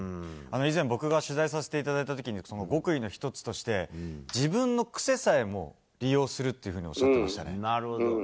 僕が取材させていただいた時に極意の１つとして自分の癖さえも利用するというふうにおっしゃってましたよね。